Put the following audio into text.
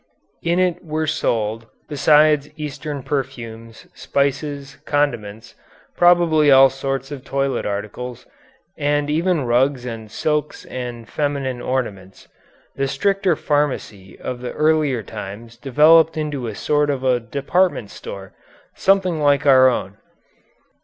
In it were sold, besides Eastern perfumes, spices, condiments, probably all sorts of toilet articles, and even rugs and silks and feminine ornaments. The stricter pharmacy of the earlier times developed into a sort of department store, something like our own.